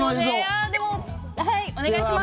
でもお願いします。